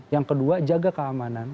yang kedua jaga keamanan